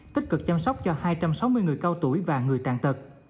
tích cực chăm sóc cho hai trăm sáu mươi người cao tuổi và người tàn tật